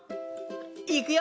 いくよ！